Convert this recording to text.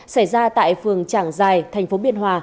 xảy ra tại phường trảng giài thành phố biên hòa